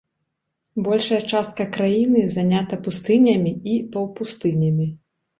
Большая частка краіны занята пустынямі і паўпустынямі.